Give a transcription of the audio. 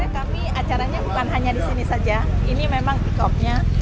kami acaranya bukan hanya di sini saja ini memang pick offnya